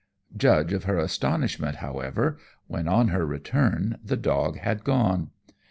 Judge of her astonishment, however, when, on her return, the dog had gone.